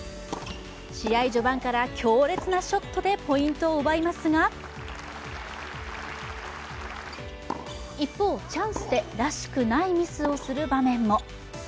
試合序盤から強烈なショットでポイントを奪いますが一方、チャンスでらしくないミスをする場面も。